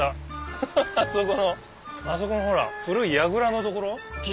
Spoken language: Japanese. ハハハ！あそこのあそこのほら古いやぐらの所？